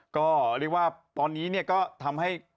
ก็เรียกว่าตอนนี้เนี่ยก็ทำให้